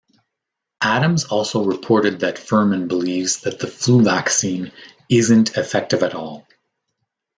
Adams also reported that Fuhrman believes that the flu vaccine "isn't effective at all".